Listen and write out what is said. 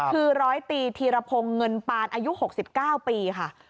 คือร้อยตีธีรพงศ์เงินปานอายุ๖๙ปีค่ะ